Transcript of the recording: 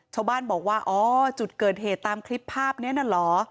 ชาวบ้านบอกว่าอ๋อจุดเกิดเหตุตามคลิปภาพนี้นั่นเหรอ